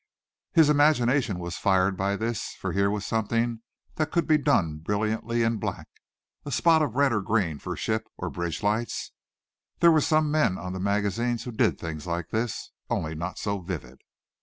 His imagination was fired by this for here was something that could be done brilliantly in black a spot of red or green for ship and bridge lights. There were some men on the magazines who did things like this, only not so vivid.